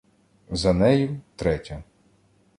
За нею — третя.